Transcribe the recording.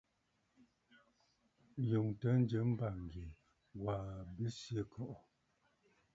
Ǹyòŋtə njɨm bàŋgyɛ̀, Ŋ̀gwaa Besǐkɔ̀ʼɔ̀.